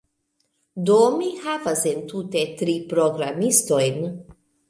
Do, mi havas entute tri programistojn